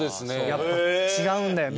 やっぱ違うんだよ